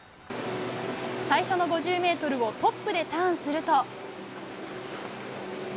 最初の５０ｍをトップでターンすると。